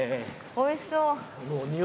おいしそう。